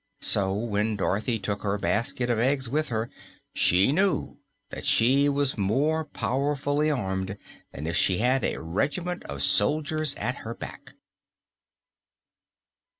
So, when Dorothy took her basket of eggs with her, she knew that she was more powerfully armed than if she had a regiment of soldiers at her back.